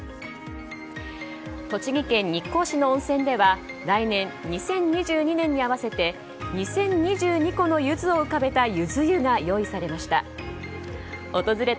栃木県日光市の温泉では来年、２０２２年に合わせて２０２２個のゆずを浮かべたゆず湯が用意されました。